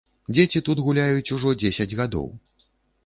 Дзеці тут гуляюць ужо дзесяць гадоў.